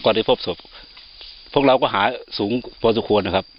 ได้พบศพพวกเราก็หาสูงพอสมควรนะครับ